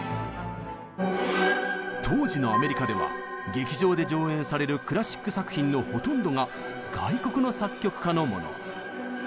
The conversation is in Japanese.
当時のアメリカでは劇場で上演されるクラシック作品のほとんどが外国の作曲家のもの。